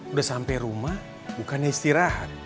udah sampai rumah bukannya istirahat